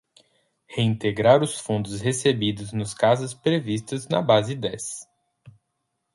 Reintegrar os fundos recebidos nos casos previstos na base dez.